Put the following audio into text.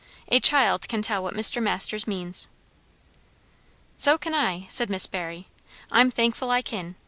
A child can tell what Mr. Masters means." "So kin I," said Miss Barry. "I'm thankful I kin.